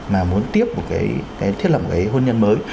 mà muốn tiếp thiết lập một cái hôn nhân mới